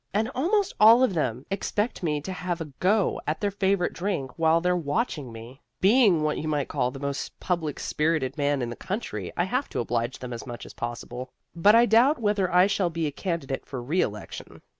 And almost all of them expect me to have a go at their favorite drink while they're watching me. Being what you might call the most public spirited man in the country, I have to oblige them as much as possible. But I doubt whether I shall be a candidate for reelection.